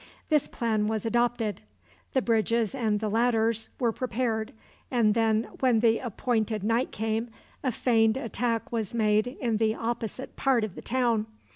This plan was adopted. The bridges and the ladders were prepared, and then, when the appointed night came, a feigned attack was made in the opposite part of the town.